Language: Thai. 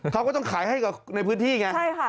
เขาก็ต้องขายให้กับในพื้นที่ไงใช่ค่ะ